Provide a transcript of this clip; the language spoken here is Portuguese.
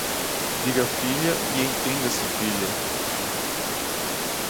Diga filha e entenda-se filha.